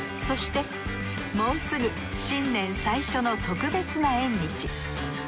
そしてもうすぐ新年最初の特別な縁日。